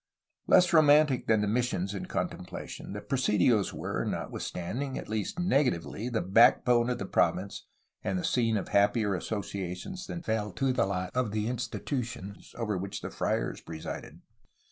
Less romantic than the missions in contemplation, the presidios were, notwithstanding, — ^at least, negatively, — the backbone of the province and the scene of happier asso ciations than fell to the lot of the institutions over which SPANISH CALIFORNIAN INSTITUTIONS 389 the friars presided.